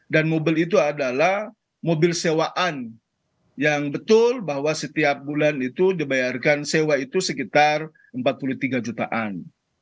dan mobil itu adalah mobil sewaan yang betul bahwa setiap bulan itu dibayarkan sewa itu sekitar empat puluh tiga jutaan